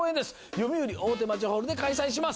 よみうり大手町ホールで開催します。